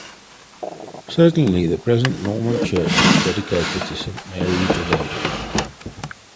Certainly the present Norman church is dedicated to Saint Mary the Virgin.